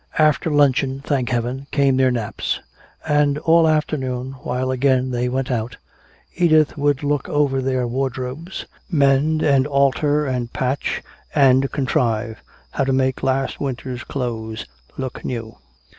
After luncheon, thank heaven, came their naps. And all afternoon, while again they went out, Edith would look over their wardrobes, mend and alter and patch and contrive how to make last winter's clothes look new.